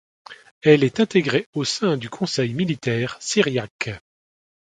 Elle est intégrée au sein du Conseil militaire syriaque.